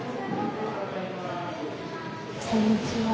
こんにちは。